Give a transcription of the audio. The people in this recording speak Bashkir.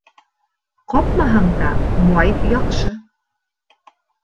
Ҡапмаһаң да май яҡшы.